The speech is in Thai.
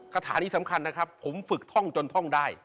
ฐานีสำคัญนะครับผมฝึกท่องจนท่องได้